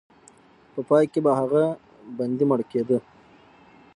په پای کې به هغه بندي مړ کېده.